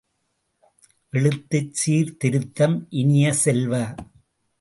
எழுத்துச் சீர்திருத்தம் இனிய செல்வ!